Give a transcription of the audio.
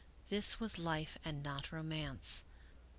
This was life and not romance.